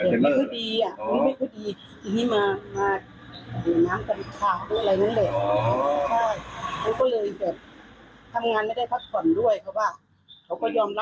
ก็เลยแบบทำงานไม่ได้พักก่อนด้วยเพราะว่า